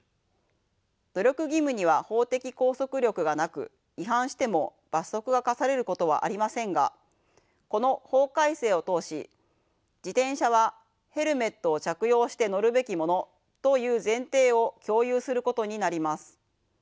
努力義務には法的拘束力がなく違反しても罰則が科されることはありませんがこの法改正を通し自転車はヘルメットを着用して乗るべきものという前提を共有することになります。